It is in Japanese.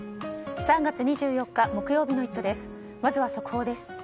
３月２４日、木曜日の「イット！」です。